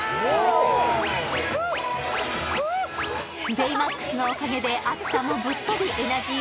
ベイマックスのおかげで暑さも吹っ飛ぶエナジー